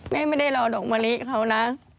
ไม่ได้รอดอกมะลิเขานะ